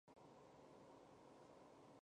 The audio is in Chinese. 毛人凤随即派北平督察王蒲臣秘密侦查。